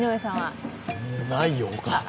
ないよ、ほか。